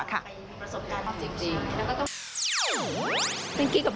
สวัสดีค่ะ